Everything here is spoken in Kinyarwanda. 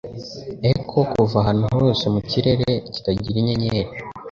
echo kuva ahantu hose mu kirere kitagira inyenyeri